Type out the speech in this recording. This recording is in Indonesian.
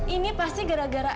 ini pasti gara gara